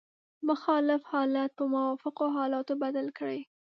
مخالف حالات په موافقو حالاتو بدل کړئ.